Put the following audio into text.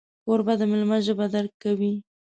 کوربه د میلمه ژبه درک کوي.